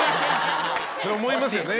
それ思いますよね。